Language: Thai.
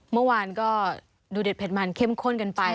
เมื่อวานก็ดูเด็ดเผ็ดมันเข้มข้นกันไป